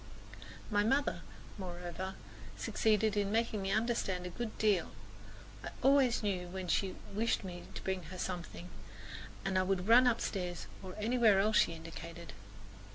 My mother, moreover, succeeded in making me understand a good deal. I always knew when she wished me to bring her something, and I would run upstairs or anywhere else she indicated.